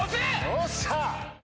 おっしゃ！